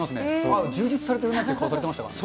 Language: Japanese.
あっ、充実されてるなっていう顔をされてましたからね。